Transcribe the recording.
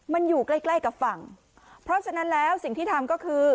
มันอยู่ใกล้ใกล้กับฝั่งเพราะฉะนั้นแล้วสิ่งที่ทำก็คือ